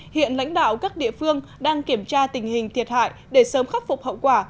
hiện lãnh đạo các địa phương đang kiểm tra tình hình thiệt hại để sớm khắc phục hậu quả